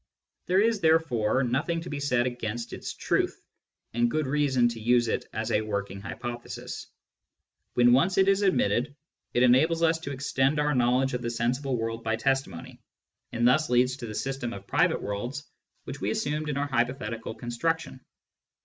There is therefore nothing to be said against its truth, and good reason to use it as a working hypothesis. When once it is admitted, it en ables us to extend our knowledge of the sensible world by testimony, and thus leads to the system of private worlds which we assumed in our hypothetical construc tion.